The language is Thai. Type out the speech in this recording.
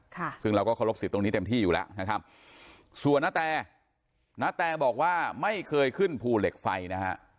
ค่ะซึ่งเราก็เคารพสิทธิ์ตรงนี้เต็มที่อยู่แล้วนะครับส่วนนาแตณแตบอกว่าไม่เคยขึ้นภูเหล็กไฟนะฮะ